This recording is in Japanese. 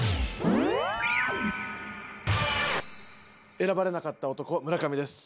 選ばれなかった男村上です。